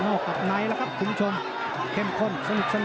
โอ้โหขยับโทหลเหมือนกัน